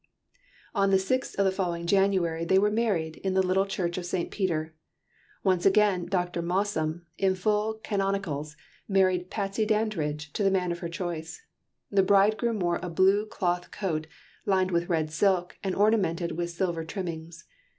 On the sixth of the following January they were married in the little church of St. Peter. Once again Dr. Mossum, in full canonicals, married "Patsy" Dandridge to the man of her choice. The bridegroom wore a blue cloth coat lined with red silk and ornamented with silver trimmings.